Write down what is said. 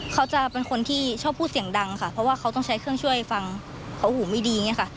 เขาจะเป็นคนที่ชอบพูดเสียงดังค่ะเพราะว่าเขาต้องใช้เครื่องช่วยฟังเขาหูไม่ดีอย่างนี้ค่ะ